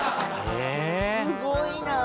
すごいな。